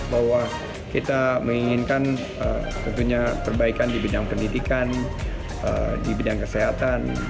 bahwa kita menginginkan tentunya perbaikan di bidang pendidikan di bidang kesehatan